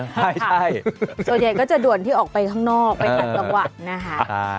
ตัวใหญ่ก็จะด่วนที่ออกไปข้างนอกไปถัดประวัตินะคะ